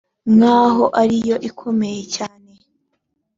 nk aho ari yo ikomeye cyane